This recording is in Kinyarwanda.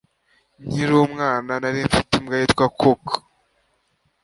Nkiri umwana nari mfite imbwa yitwa Cook